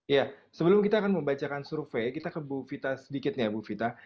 ya sebelum kita akan membacakan survei kita ke bu vita sedikit nih ya bu vita